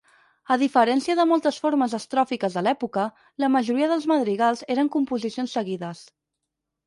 A diferència de moltes formes estròfiques de l'època, la majoria dels madrigals eren composicions seguides.